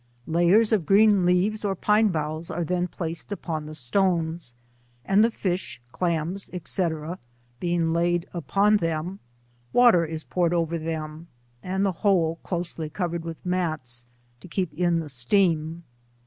Layers of green leaves or pine boughs, are then placed upon the stones, and the iish, clams, &c. being laid upon them, water is poured over them, and the whole closely covered with mflt?, to keep hi the steam.